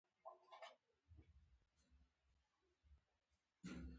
• نړیوالتوب د عصري نړۍ ځانګړنه ده.